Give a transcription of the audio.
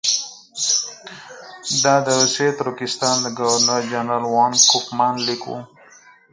دا د روسي ترکستان د ګورنر جنرال وان کوفمان لیک وو.